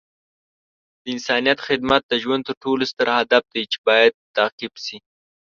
د انسانیت خدمت د ژوند تر ټولو ستر هدف دی چې باید تعقیب شي.